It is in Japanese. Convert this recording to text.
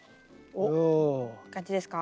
おっいい感じですか？